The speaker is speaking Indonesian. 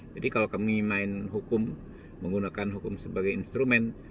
jadi kalau kami main hukum menggunakan hukum sebagai instrumen